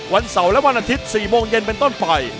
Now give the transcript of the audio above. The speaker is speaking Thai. วันเสาร์และวันอาทิตย์๔โมงเย็นเป็นต้นไป